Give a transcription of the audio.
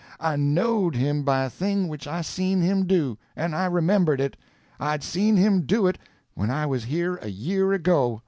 I knowed him by a thing which I seen him do—and I remembered it. I'd seen him do it when I was here a year ago."